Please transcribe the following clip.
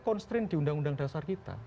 constraint di undang undang dasar kita